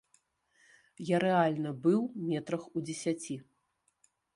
Я рэальна быў метрах у дзесяці.